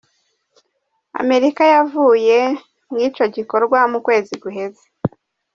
Amerika yavuye mw'ico gikogwa mu kwezi guheze.